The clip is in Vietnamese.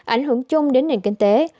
ảnh hưởng chung đến nền kinh tế